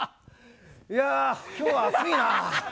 いや、今日は暑いな。